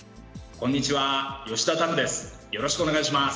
こんにちは、吉田拓です。